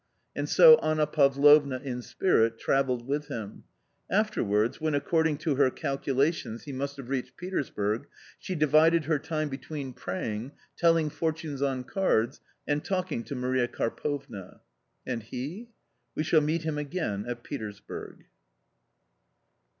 And so Anna Pavlovna in spirit travelled with him. After wards, when according to her calculations he must have reached Petersburg, she divided her time between praying, telling fortunes on cards and talking to Maria Karpovna. And he ? We shall meet him again at Petersburg.